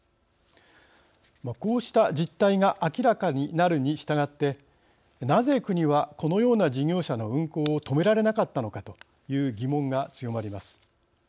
こうした実態が明らかになるにしたがってなぜ国はこのような事業者の運航を止められなかったのかという疑問が強まります。